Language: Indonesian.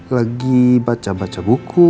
lagi baca baca buku